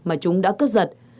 mà chúng đã cướp giật